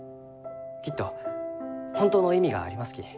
きっと本当の意味がありますき。